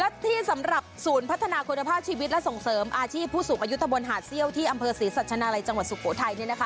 และที่สำหรับศูนย์พัฒนาคุณภาพชีวิตและส่งเสริมอาชีพผู้สูงอายุตะบนหาดเซี่ยวที่อำเภอศรีสัชนาลัยจังหวัดสุโขทัย